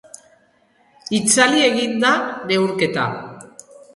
Itzali egin da neurketa.